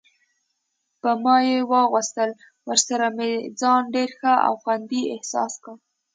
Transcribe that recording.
په ما یې واغوستل، ورسره مې ځان ډېر ښه او خوندي احساس کړ.